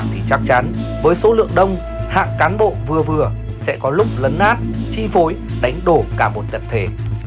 thì chắc chắn với số lượng đông hạng cán bộ vừa vừa sẽ có lúc lấn át chi phối đánh đổ cả một tập thể